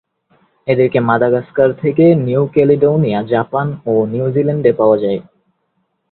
এদেরকে মাদাগাস্কার থেকে New Caledonia, Japan ও নিউজিল্যান্ডে পাওয়া যায়।